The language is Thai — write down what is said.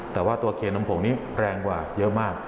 แต่ว่าตัวเคนมผงนี้แรงกว่าเยอะมาก